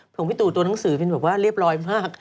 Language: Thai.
ส่งพี่ตู่ตัวหนังสือเป็นแบบว่าเรียบร้อยมาก